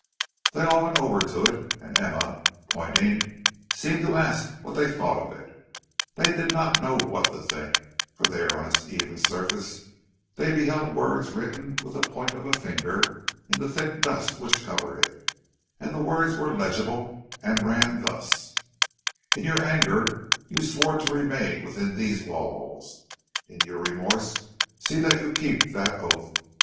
They all went over to it, and Emma, pointing, seemed to ask what they thought of it. They did not know what to think, for there on its even surface they beheld words written with the point of a finger in the thick dust which covered it; and the words were legible and ran thus: "In your anger you swore to remain within these walls; in your remorse see that you keep that oath.